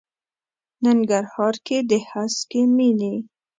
ننګرهار کې د هسکې مېنې.